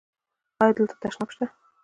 ایا دلته تشناب شته؟